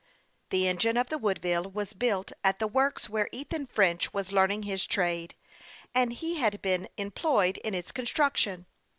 The engine of the Woodville Avas built at the works where Ethan French was learning his trade, and he had been employed in its construction.